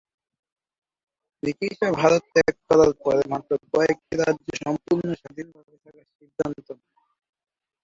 ব্রিটিশরা ভারত ত্যাগ করার পরে মাত্র কয়েকটি রাজ্য সম্পূর্ণ স্বাধীন ভাবে থাকার সিদ্ধান্ত নেয়।